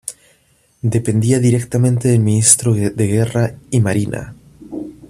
Dependía directamente del Ministro de Guerra y Marina.